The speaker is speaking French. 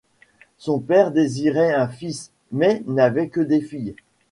Son père désirait un fils, mais n'avait que des filles.